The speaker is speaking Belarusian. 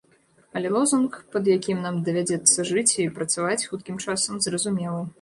Але лозунг, пад якім нам давядзецца жыць і працаваць хуткім часам, зразумелы.